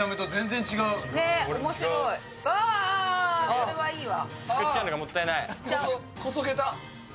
これはいいわ。